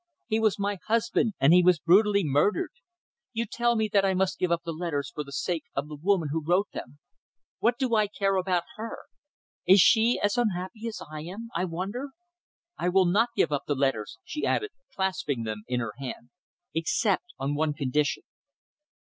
He was my husband, and he was brutally murdered. You tell me that I must give up the letters for the sake of the woman who wrote them! What do I care about her! Is she as unhappy as I am, I wonder? I will not give up the letters," she added, clasping them in her hand, "except on one condition."